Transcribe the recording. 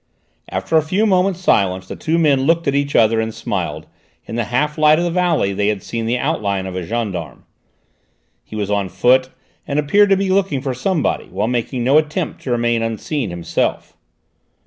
After a few moments' silence the two men looked at each other and smiled. In the half light of the valley they had seen the outline of a gendarme; he was on foot and appeared to be looking for somebody, while making no attempt to remain unseen himself.